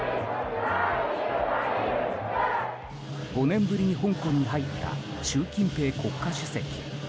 ５年ぶりに香港に入った習近平国家主席。